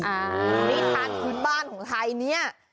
นี่ทางคุณบ้านของไทย